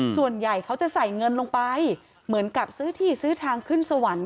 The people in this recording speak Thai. ส่วนใหญ่เขาจะใส่เงินลงไปเหมือนกับซื้อที่ซื้อทางขึ้นสวรรค์